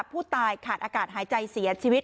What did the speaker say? ผู้ตายขาดอากาศหายใจเสียชีวิต